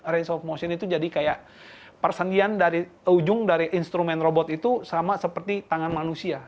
range of motion itu jadi kayak persendian dari ujung dari instrumen robot itu sama seperti tangan manusia